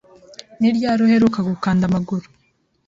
Ni ryari uheruka gukanda amaguru?